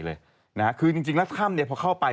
ซึ่งตอน๕โมง๔๕นะฮะทางหน่วยซิวได้มีการยุติการค้นหาที่